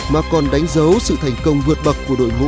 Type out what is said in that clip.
mà còn đánh dấu sự thành công vượt bậc của đội ngũ